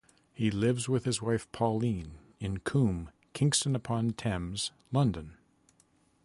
He lives with his wife, Pauline, in Coombe, Kingston upon Thames, London.